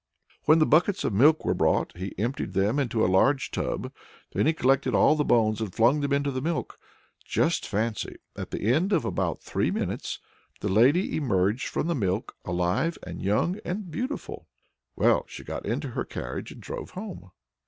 When the buckets of milk were brought, he emptied them into a large tub, then he collected all the bones and flung them into the milk. Just fancy! at the end of about three minutes the lady emerged from the milk alive, and young, and beautiful! Well, she got into her carriage and drove home.